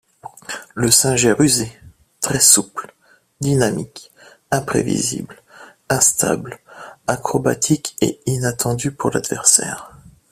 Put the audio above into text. Le singe est rusé, très souple, dynamique, imprévisible, instable, acrobatique et inattendue pour l'adversaire.